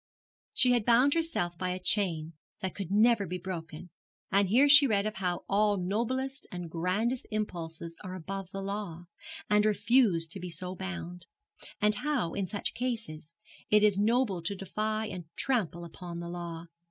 She had bound herself by a chain that could never be broken, and here she read of how all noblest and grandest impulses are above the law, and refuse to be so bound; and how, in such cases, it is noble to defy and trample upon the law.